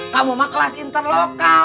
kamu mah kelas interlokal